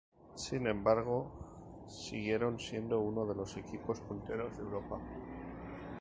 Sin embargo siguieron siendo uno de los equipos punteros de Europa.